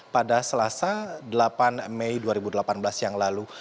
pada selasa delapan mei dua ribu delapan belas yang lalu